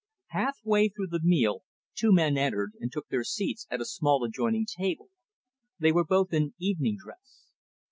Half way through the meal, two men entered and took their seats at a small adjoining table; they were both in evening dress.